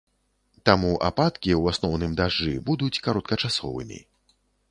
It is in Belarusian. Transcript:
Таму ападкі, у асноўным дажджы, будуць кароткачасовымі.